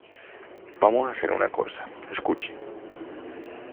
vamos a hacer una cosa. escuche .